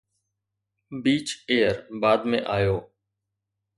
beach ايئر بعد ۾ آيو